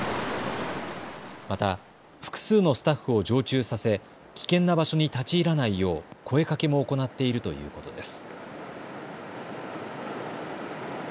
また複数のスタッフを常駐させ危険な場所に立ち入らないよう声かけも行っているということです。